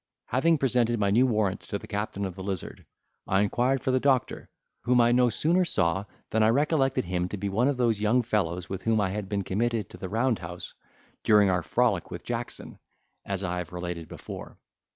Having presented my new warrant to the captain of the Lizard, I inquired for the doctor, whom I no sooner saw than I recollected him to be one of those young fellows with whom I had been committed to the round house, during our frolic with Jackson, as I have related before.